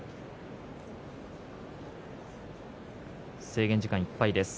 制限時間いっぱいです。